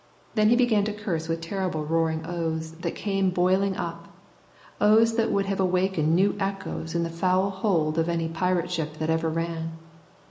Then he began to curse with terrible roaring oaths that came boiling up, oaths that would have awakened new echoes in the foul hold of any pirate ship that ever ran.